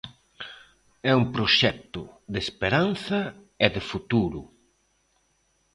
É un proxecto de esperanza e de futuro.